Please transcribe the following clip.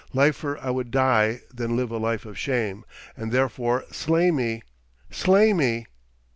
Liefer I would die than live a life of shame, and therefore slay me! slay me!'